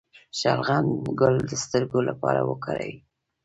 د شلغم ګل د سترګو لپاره وکاروئ